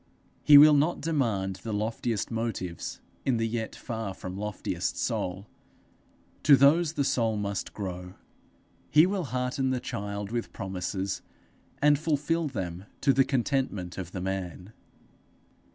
He will not demand the loftiest motives in the yet far from loftiest soul: to those the soul must grow. He will hearten the child with promises, and fulfil them to the contentment of the man.